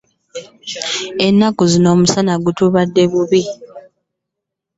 Ennaku zino omusana gutubadde bubi.